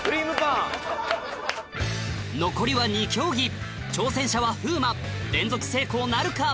残りは２競技挑戦者は風磨連続成功なるか？